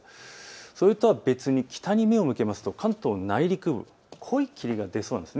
それとは別に北に目を向けますと関東の内陸部、濃い霧が出そうなんです。